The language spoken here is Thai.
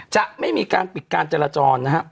จะไม่มีการปิดการจราจรนะครับ